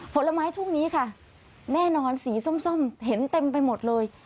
ผลไม้ช่วงนี้ค่ะแน่นอนสีส้มเห็นเต็มไปหมดเลย